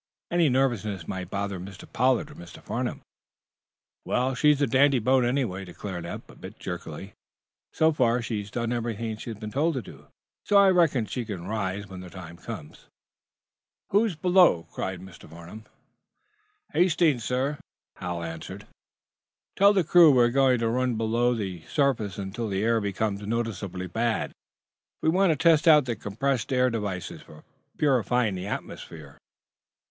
Any nervousness might bother Mr. Pollard or Mr. Farnum." "Well, she's a dandy boat, anyway," declared Eph, a bit jerkily. "So far, she's done everything she's been told to. So I reckon she can rise when the time comes." "Who's below?" cried Mr. Farnum. "Hastings, sir," Hal answered. "Tell the crew we're going to run below the surface until the air becomes noticeably bad. We want to test out the compressed air devices for purifying the atmosphere."